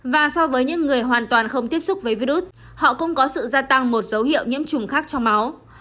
và so với những người hoàn toàn không tiếp xúc với virus họ cũng có sự gia tăng một dấu hiệu nhiễm trùng khác trong máu